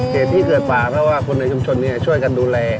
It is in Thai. เหตุที่เกิดป่าเพราะว่าคนในชุมชนช่วยกันดูแล